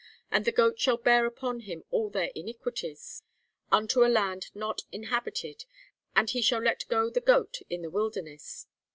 And the goat shall bear upon him all their iniquities unto a land not inhabited: and he shall let go the goat in the wilderness.'